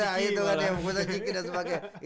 nah itu kan ya bungkusan ciki dan sebagainya